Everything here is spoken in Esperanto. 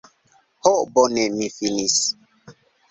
Ho bone mi finis